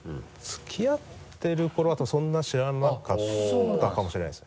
付き合ってるころだとそんなに知らなかったかもしれないです。